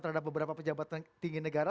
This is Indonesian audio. terhadap beberapa pejabat tinggi negara